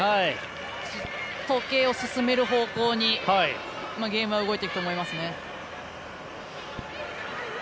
時計を進める方向にゲームは動いていくと思います。